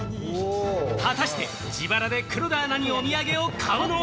果たして自腹で黒田アナにお土産を買うのは？